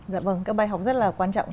dạ vâng các bài học rất là quan trọng